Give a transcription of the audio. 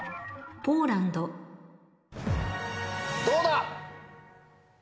どうだ？